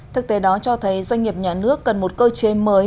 thực tế đó cho thấy doanh nghiệp nhà nước cần một cơ chế mới